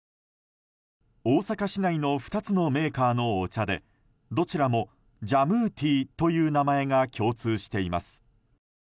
大阪市内の２つのメーカーのお茶でどちらもジャムーティーという名前が共通しています。